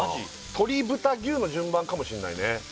鶏豚牛の順番かもしんないね